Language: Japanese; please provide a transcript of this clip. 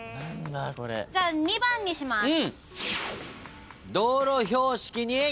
じゃあ２番にします。